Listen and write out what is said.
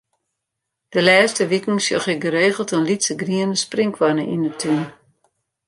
De lêste wiken sjoch ik geregeld in lytse griene sprinkhoanne yn 'e tún.